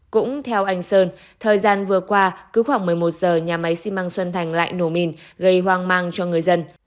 cũng theo anh sơn thời gian vừa qua cứ khoảng một mươi một giờ nhà máy xi măng xuân thành lại nổ mìn gây hoang mang cho người dân